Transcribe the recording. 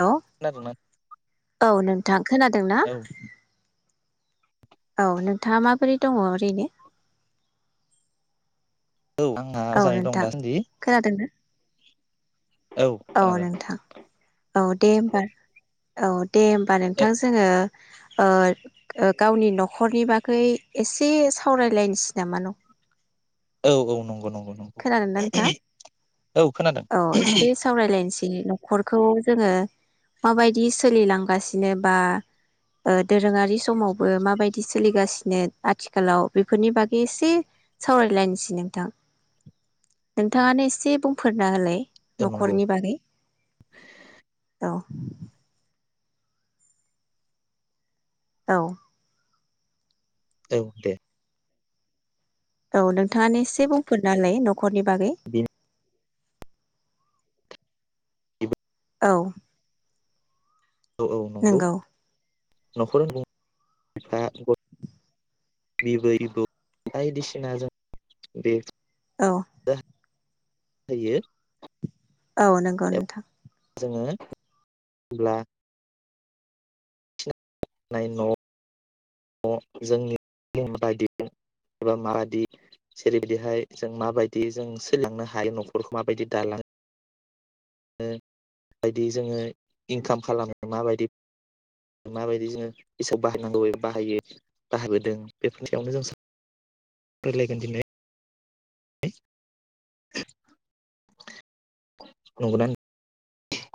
Hello खोनादोंना औ नों नोंथां खोनादों ना? औ औ नोंथाङा माबोरै दङ ओरैनो? औ आंहा औ मोजाङै दं नोंथां दासान्दि खोनादोंना? औ नोंथां औ दे होमबा औ दे होमबा नोंथां जोङो ओ गावनि न'खरनि बागै एसे सावरायलायनोसै नामा न' औ औ नंगौ नंगौ। नंगौ खोनागोनदा नोंथा औ खोनादों औ एसे सावरायलायनोसै। न'खरखौ जोङो माबायदि सोलिलांगासिनो बा ओ दोरोङारि समावबो माबाय बिदि सोलिगासिनो आथिखालाव बेफोरनि बागै एसे सावरायलायनोसै नोंथां। नोंथाङानो एसे बुंफोरना होलाय। औ नंगौ न'खरनि बागै औ औ औ दे औ नोंथाङा एसे बुंफोरना होलाय न'खरनि बागै बेनि औ औ औ नंगौ न'खर [unintelligible] जों बे औ होयो औ नंगौ एबा नोंथां जोङो [unintelligible] होनब्ला न' न' [unintelligible] जोंनिबायदि एबा [unintelligible] माबायदि जेरैबायदिहाय जों माबायदि जों सोलिलांनो हायो न'खरखौ माबायदि दालां माबायदि जोङो इनकाम खालामो माबायदि माबायदि जोङो इसाव बाहायनांगौ बाहायो बाहाबोदों बेफोरनि सायावनो जों [unintelligible] रायलायगोन दिनै [unintelligible]